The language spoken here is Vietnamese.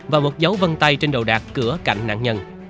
và một dấu vân tay trên đầu đạt cửa cạnh nạn nhân